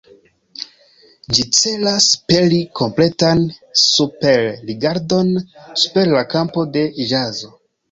Ĝi celas peri kompletan superrigardon super la kampo de ĵazo.